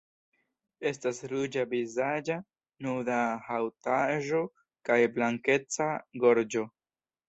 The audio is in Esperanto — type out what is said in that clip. Estas ruĝa vizaĝa nuda haŭtaĵo kaj blankeca gorĝo.